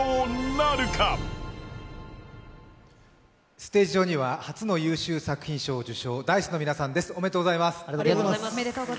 ステージ上には初の優秀作品賞受賞、Ｄａ−ｉＣＥの皆さんです、おめでとうございます。